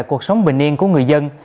cuộc sống bình yên của người dân